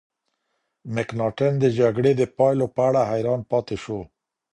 مکناتن د جګړې د پایلو په اړه حیران پاتې شو.